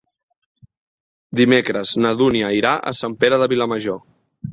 Dimecres na Dúnia irà a Sant Pere de Vilamajor.